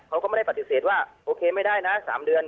เขาก็ไม่ได้ปฏิเสธว่าโอเคไม่ได้นะ๓เดือน